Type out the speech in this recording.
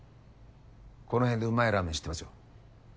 この辺でうまいラーメン知ってますよ。